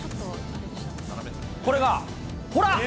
これが、ほら。